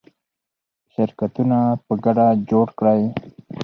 شرکتونه په ګډه جوړ کړئ.